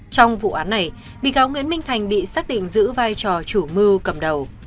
trong vụ án này bị cáo nguyễn minh thành bị xác định giữ vai trò chủ mưu cầm đầu